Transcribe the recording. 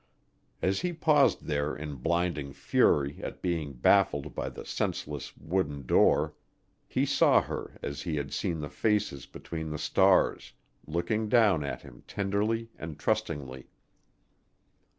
As he paused there in blinding fury at being baffled by this senseless wooden door, he saw her as he had seen the faces between the stars, looking down at him tenderly and trustingly.